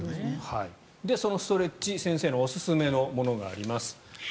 そのストレッチ先生のおすすめのものがあります。